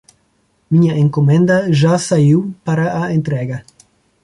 Minha encomenda já saiu para a entrega.